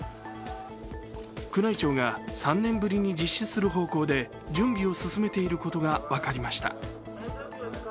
宮内庁が３年ぶりに実施する方向で準備を進めていることが分かりました。